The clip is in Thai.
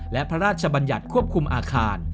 และพระราชบัญญัติควบคุมอาคาร